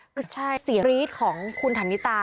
ก็ใช่เสียบรี๊ดของคุณธัณฑิตา